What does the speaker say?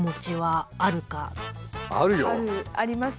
あるあります。